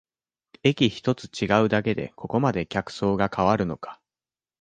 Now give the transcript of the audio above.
駅ひとつ違うだけでここまで客層が変わるのか